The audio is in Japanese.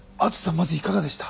まずいかがでした？